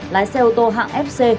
lái xe ô tô hạng fc